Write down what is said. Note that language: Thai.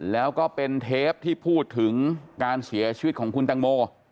แล้วก็เป็นเทปที่พูดถึงการเสียชีวิตของคุณตังโม